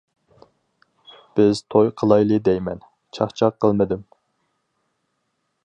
بىز توي قىلايلى دەيمەن، چاقچاق قىلمىدىم.